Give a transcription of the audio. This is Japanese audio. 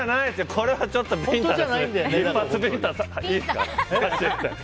これはちょっとビンタですね。